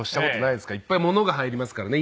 いっぱい物が入りますからね。